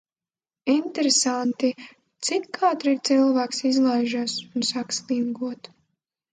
Interesanti, cik ātri cilvēks izlaižas un sāk slinkot.